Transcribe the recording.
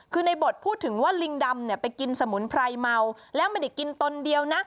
คือในบทพูดถึงว่าลิงดำเนี่ยไปกินสมุนไพรเมาแล้วไม่ได้กินตนเดียวนะ